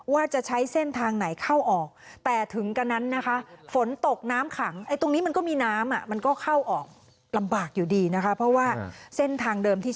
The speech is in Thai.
ว่าจะใช้เส้นทางไหนเข้าออกแต่ถึงกะนั้นนะคะฝนตกน้ำขัง